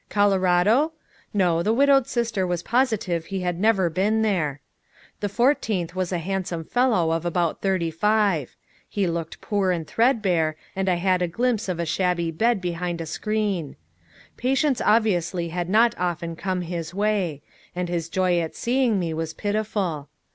Colorado? No, the widowed sister was positive he had never been there. The fourteenth was a handsome fellow of about thirty five. He looked poor and threadbare, and I had a glimpse of a shabby bed behind a screen. Patients obviously did not often come his way, and his joy at seeing me was pitiful.